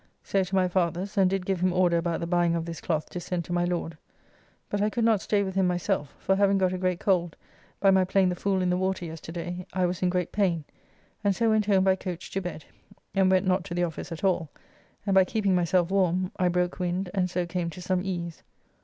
So to my father's, and did give him order about the buying of this cloth to send to my Lord. But I could not stay with him myself, for having got a great cold by my playing the fool in the water yesterday I was in great pain, and so went home by coach to bed, and went not to the office at all, and by keeping myself warm, I broke wind and so came to some ease.